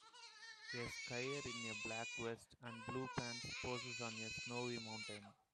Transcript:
A skier in a black vest and blue pants poses on a snowy mountain.